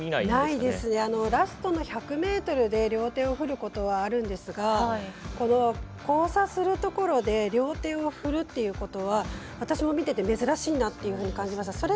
ないですねラストの１００ｍで両手を振ることはあるんですが交差するところで両手を振るということは私も見ていて珍しいなと感じました。